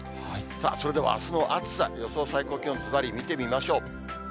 それではあすの暑さ、予想最高気温、ずばり見てみましょう。